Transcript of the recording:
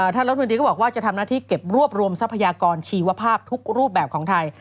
ท่านรัฐมนตรีก็บอกว่าจะทำหน้าที่เก็บรวบรวมทรัพยากรชีวภาพทุกรูปแบบของไทย